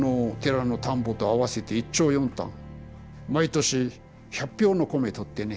毎年１００俵の米とってね